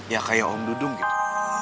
ya kayak om dudung gitu